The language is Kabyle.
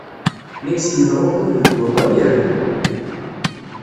La ismenɣuɣud deg awal, irennu.